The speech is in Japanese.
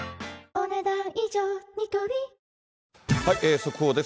速報です。